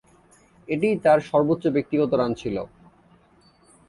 এটিই তার সর্বোচ্চ ব্যক্তিগত রান ছিল।